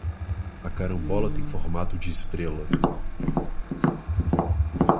A carambola tem formato de estrela.